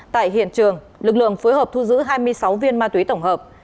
tại hiện trường lực lượng phối hợp thu giữ hai mươi sáu viên ma túy tổng hợp